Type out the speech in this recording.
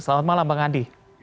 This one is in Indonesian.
selamat malam bang andi